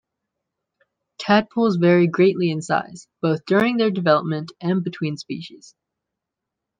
Tadpoles vary greatly in size, both during their development and between species.